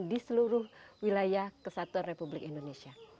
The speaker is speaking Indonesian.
di seluruh wilayah kesatuan republik indonesia